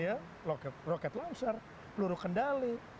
iya rocket launcher peluru kendali